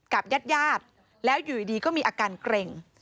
กลับยัดแล้วอยู่ดีก็มีอาการเกร็ง